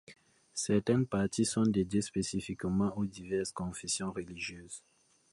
Certaines parties sont dédiées spécifiquement aux diverses confessions religieuses.